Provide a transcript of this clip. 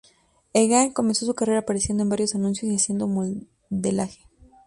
Egan comenzó su carrera apareciendo en varios anuncios y haciendo modelaje.